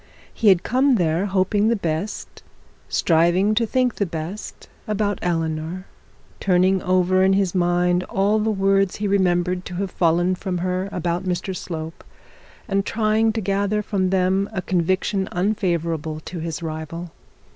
He had come there hoping the best, striving to think the best about Eleanor; turning over in his mind all the words he remembered to have fallen from her about Mr Slope, and trying to gather from them a conviction unfavourable to his rival.